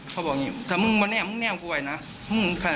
เขาบอกอย่างนี้แต่มึงก็แน่มมึงแน่มกว่าไงนะ